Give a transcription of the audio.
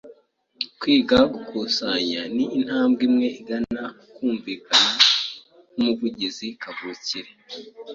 Kwiga gukusanya ni intambwe imwe igana kumvikana nkumuvugizi kavukire